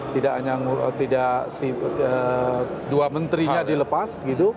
tidak dua menterinya dilepas